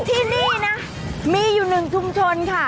ที่นี่นะมีอยู่หนึ่งชุมชนค่ะ